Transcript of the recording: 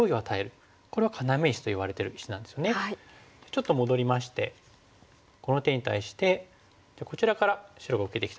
ちょっと戻りましてこの手に対してじゃあこちらから白が受けてきたらどうしましょう？